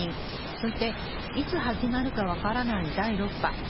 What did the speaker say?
そしていつ始まるか分からない第６波。